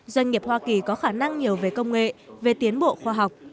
doanh nghiệp hoa kỳ có khả năng nhiều về công nghệ về tiến bộ khoa học